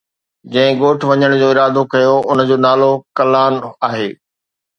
جنهن ڳوٺ وڃڻ جو ارادو ڪيو ان جو نالو ”ڪلان“ آهي.